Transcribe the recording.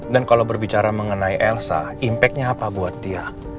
dan kalau berbicara mengenai elsa impact nya apa buat dia